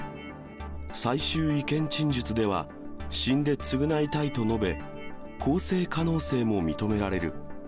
最終意見陳述では、死んで償いたいと述べ、更生可能性も認められる。